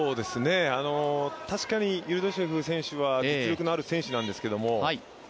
確かにユルドシェフ選手は、実力のある選手なんですけど。